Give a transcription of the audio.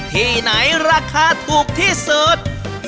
ที่ไหนราคาถูกที่สุด